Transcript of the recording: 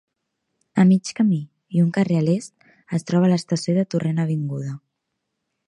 A mig camí, i un carrer a l'est, es troba l'estació de Torrent Avinguda.